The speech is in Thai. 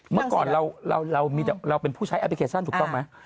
เมื่อก่อนเราเป็นผู้ใช้แอปพลิเคชันถูกต้องไหม